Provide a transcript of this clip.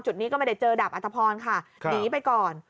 จุดนี้ก็ไม่ได้เจอดาบอัตภพรค่ะหนีไปก่อน